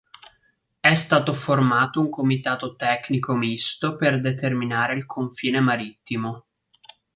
È stato formato un comitato tecnico misto per determinare il confine marittimo.